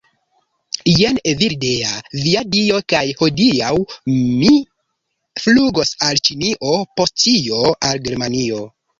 Jen Evildea. Via Dio. kaj hodiaŭ mi flugos al ĉinio post tio, al Germanio